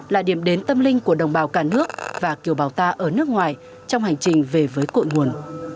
là điểm đến tâm linh của đồng bào cả nước và kiều bào ta ở nước ngoài trong hành trình về với cội nguồn